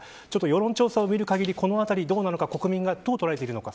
世論調査を見る限りこの辺りどうなのか国民がどう捉えているのか。